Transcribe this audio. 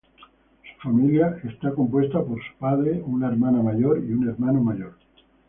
Su familia está compuesta por su padre, una hermana mayor y un hermano mayor.